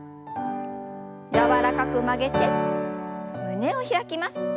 柔らかく曲げて胸を開きます。